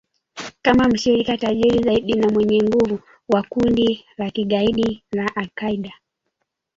kama mshirika tajiri zaidi na mwenye nguvu wa kundi la kigaidi la al Qaida